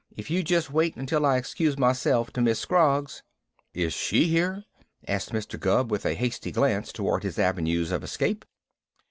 If you just wait until I excuse myself to Miss Scroggs " "Is she here?" asked Mr. Gubb with a hasty glance toward his avenues of escape.